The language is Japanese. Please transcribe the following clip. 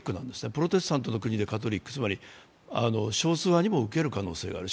プロテスタントの国でカトリック、つまり少数派にも受ける可能性がある。